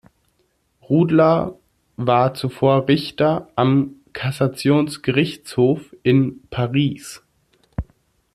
Rudler war zuvor Richter am Kassationsgerichtshof in Paris.